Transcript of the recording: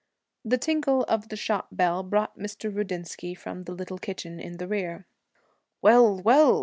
The tinkle of the shop bell brought Mr. Rudinsky from the little kitchen in the rear. 'Well, well!'